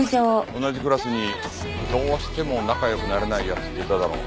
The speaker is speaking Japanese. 同じクラスにどうしても仲良くなれない奴っていただろう。